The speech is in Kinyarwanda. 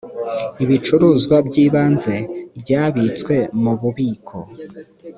ibicuruzwa by ibanze byabitswe mu bubiko